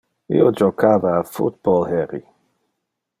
Io jocava a football heri.